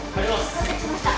到着しました。